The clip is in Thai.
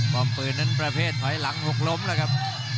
อมปืนนั้นประเภทถอยหลังหกล้มแล้วครับ